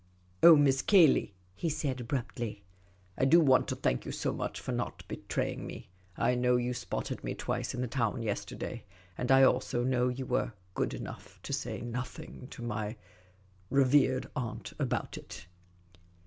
" Oh, Miss Cayley," he said, abruptly, " I do want to thank you so much for not betraying me. I know you spotted me twice in the town yesterday ; and I also know you were good enough to say nothing to my revered aunt about it."